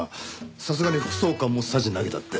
さすがに副総監もさじ投げたって。